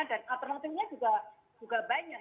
dan alternatifnya juga banyak